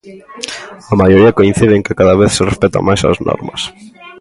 A maioría coincide en que cada vez se respectan máis as normas.